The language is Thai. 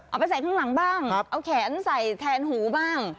เอาไปใส่ข้างหลังบ้างเอาแขนใส่แทนหูบ้าง